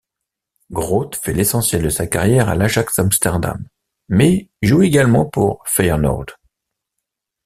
Groot fait l'essentiel de sa carrière à l'Ajax Amsterdam, mais joue également pour Feyenoord.